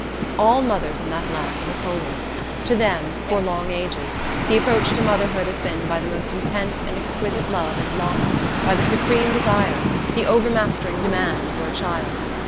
All mothers in that land were holy. To them, for long ages, the approach to motherhood has been by the most intense and exquisite love and longing, by the Supreme Desire, the overmastering demand for a child.